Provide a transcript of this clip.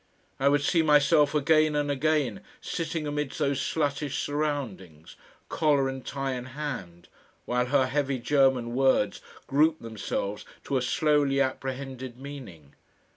I would see myself again and again sitting amidst those sluttish surroundings, collar and tie in hand, while her heavy German words grouped themselves to a slowly apprehended meaning.